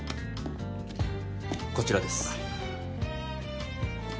こちらです。